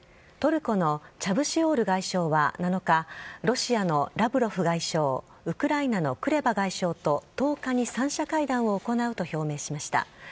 トルコのチャブシオール外相は７日、ロシアのラブロフ外相、ウクライナのクレバ外相と、１０日に３者会談を行うと表明しました。